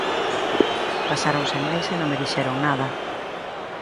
Pasaron sen máis e non me dixeron nada.